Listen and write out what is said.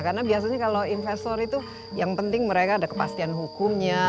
karena biasanya kalau investor itu yang penting mereka ada kepastian hukumnya